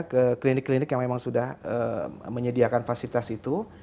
ke klinik klinik yang memang sudah menyediakan fasilitas itu